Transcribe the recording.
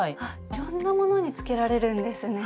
いろんなものにつけられるんですね。